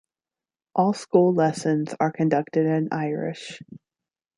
All school lessons are conducted in Irish.